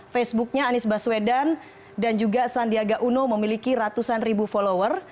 facebooknya anies baswedan dan juga sandiaga uno memiliki ratusan ribu follower